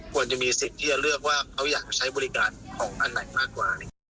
ควรจะมีสิทธิ์ที่จะเลือกว่าเขาอยากใช้บริการของอันไหนมากกว่า